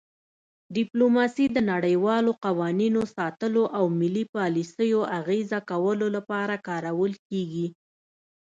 ډیپلوماسي د نړیوالو قوانینو ساتلو او ملي پالیسیو اغیزه کولو لپاره کارول کیږي